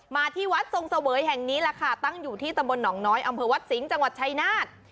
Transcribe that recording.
มาที่วัดทรงเสวยแห่งนี้แหละค่ะตั้งอยู่ที่ตำบลหนองน้อยอำเภอวัดสิงห์จังหวัดชายนาฏ